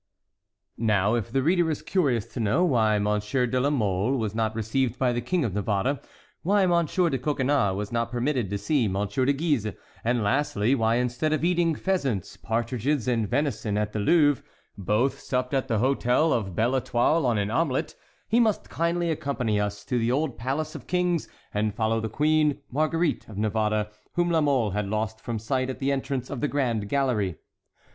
Now if the reader is curious to know why Monsieur de la Mole was not received by the King of Navarre, why Monsieur de Coconnas was not permitted to see Monsieur de Guise, and lastly, why instead of eating pheasants, partridges, and venison at the Louvre, both supped at the hotel of the Belle Étoile on an omelet, he must kindly accompany us to the old palace of kings, and follow the queen, Marguerite of Navarre, whom La Mole had lost from sight at the entrance of the grand gallery.